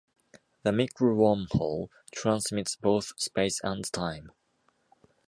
The micro-wormhole transits both space and time.